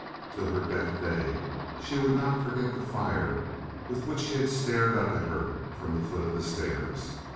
Till her death day she would not forget the fire with which he had stared up at her from the foot of the stairs.